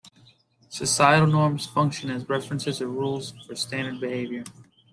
Societal norms function as references or rules for standard behavior.